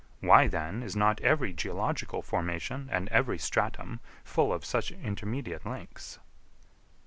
Why then is not every geological formation and every stratum full of such intermediate links?